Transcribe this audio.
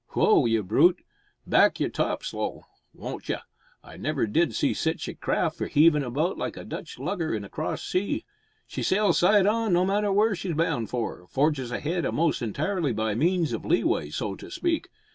"Woa! you brute. Back your tops'ls, won't you? I never did see sitch a craft for heavin' about like a Dutch lugger in a cross sea. She sails side on, no matter where she's bound for. Forges ahead a'most entirely by means of leeway, so to speak.